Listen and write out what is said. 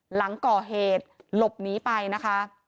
หลังก่อเหตุหลบหนีไปนะคะ